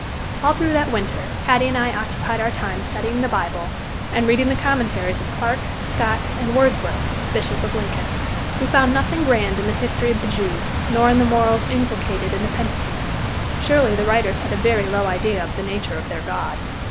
All through that winter Hattie and I occupied our time studying the Bible and reading the commentaries of Clark, Scott, and Wordsworth (Bishop of Lincoln). We found nothing grand in the history of the Jews nor in the morals inculcated in the Pentateuch. Surely the writers had a very low idea of the nature of their God.